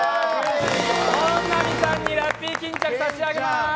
本並さんに、ラッピー巾着さしあげます。